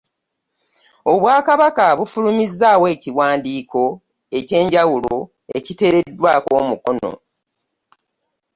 Obwakabaka bufulumizzaawo ekiwandiiko eky'enjawulo ekiteereddwako omukono.